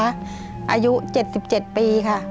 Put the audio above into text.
อายุ๗๗ปีค่ะ